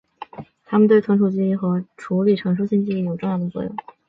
它们对储存记忆和处理陈述性记忆有重要的作用。